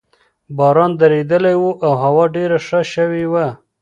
باران درېدلی وو او هوا ډېره ښه شوې وه.